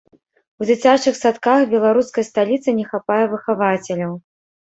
У дзіцячых садках беларускай сталіцы не хапае выхавацеляў.